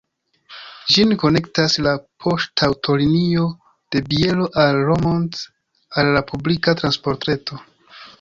Ĝin konektas la poŝtaŭtolinio de Bielo al Romont al la publika transportreto.